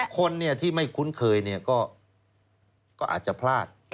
ดังนั้นคนที่ไม่คุ้นเคยก็อาจจะพลาด